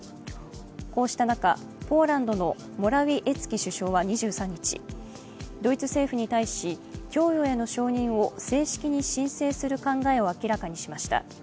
こうした中、ポーランドのモラウィエツキ首相は２３日ドイツ政府に対し供与への承認を正式に申請にする考えを明らかにしました。